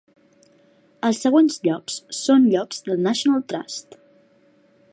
Els següents llocs són llocs del National Trust.